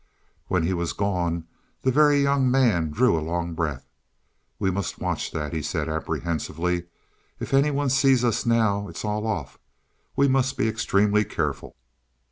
When he was gone the Very Young Man drew a long breath. "We must watch that," he said apprehensively. "If any one sees us now it's all off. We must be extremely careful."